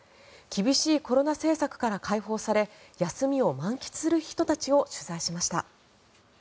厳しいコロナ政策から解放され休みを満喫する人たちを取材しました。